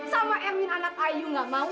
sama erwin anak ibu ibu nggak mau